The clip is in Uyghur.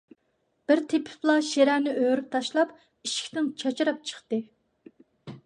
بىر تېپىپلا شىرەنى ئۆرۈپ تاشلاپ، ئىشىكتىن چاچراپ چىقتى.